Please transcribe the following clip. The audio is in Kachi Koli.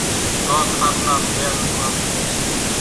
ڪانڪ کاٽلا ڀريا نون ڪام ڪريَ سي۔